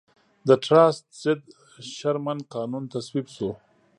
د ټراست ضد شرمن قانون تصویب شو.